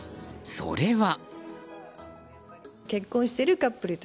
それは。